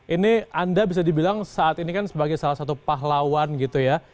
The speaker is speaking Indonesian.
ini anda bisa dibilang saat ini kan sebagai salah satu pahlawan gitu ya